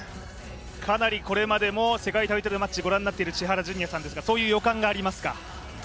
かなりこれまで世界タイトルマッチご覧になっている千原ジュニアさんですが、そういう予感がありますか。